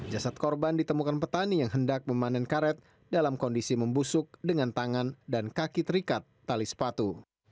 jasad korban ditemukan petani yang hendak memanen karet dalam kondisi membusuk dengan tangan dan kaki terikat tali sepatu